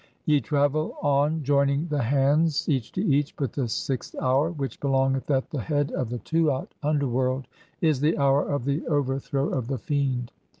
[Ye] travel on joining the hands, "each to each, but the sixth [hour], (8) which belongeth at the "head of the Tuat (underworld), is the hour of the overthrow of "the Fiend.